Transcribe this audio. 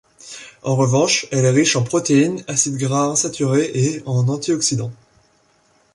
En revanche, elle est riche en protéines, acides gras insaturés et en anti-oxydants.